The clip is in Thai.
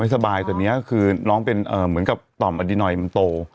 สบายตอนนี้คือน้องเป็นเหมือนกับต่อมอดินอยมันโต